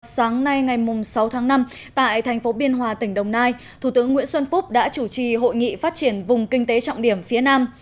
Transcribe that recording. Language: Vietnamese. sáng nay ngày sáu tháng năm tại thành phố biên hòa tỉnh đồng nai thủ tướng nguyễn xuân phúc đã chủ trì hội nghị phát triển vùng kinh tế trọng điểm phía nam